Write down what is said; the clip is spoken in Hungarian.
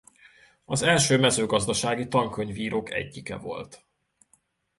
Az első mezőgazdasági tankönyvírók egyike volt.